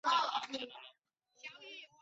它的作用机理和乙酰半胱氨酸相同。